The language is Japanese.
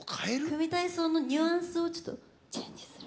組み体操のニュアンスをちょっとチェンジする。